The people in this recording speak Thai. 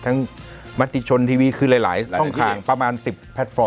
มติชนทีวีคือหลายช่องทางประมาณ๑๐แพลตฟอร์ม